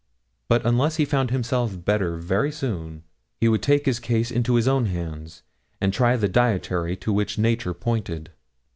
But unless he found himself better very soon, he would take his case into his own hands, and try the dietary to which nature pointed.